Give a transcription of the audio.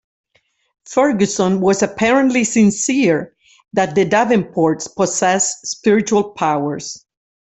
Ferguson was apparently sincere that the Davenports possessed spiritual powers.